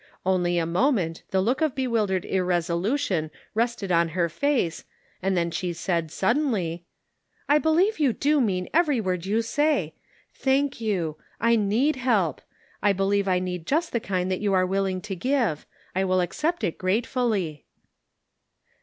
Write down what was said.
Only a moment the look of bewildered irresolution rested on her face, and then she said, suddenly :" I believe you do mean every word you say ; thank you : I need help ; I believe I need just the kind that you are willing to give ; I will accept it gratefully."